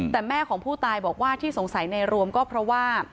แต่แม่ของผู้ตายบอกว่าที่สงสัยในรวมก็เพราะว่า